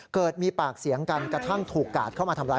เกิดมีปากเสียงกันกระทั่งถูกกาดเข้ามาทำร้าย